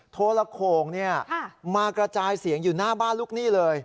โทรโข่งมากระจายเสียงอยู่หน้าบ้านลูกหนี้เลย